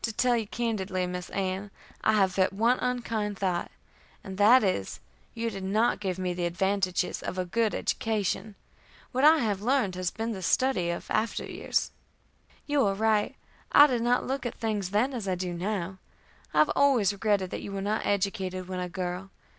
"To tell you candidly, Miss Ann[e], I have but one unkind thought, and that is, that you did not give me the advantages of a good education. What I have learned has been the study of after years." "You are right. I did not look at things then as I do now. I have always regretted that you were not educated when a girl.